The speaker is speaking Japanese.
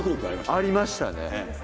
ありましたね。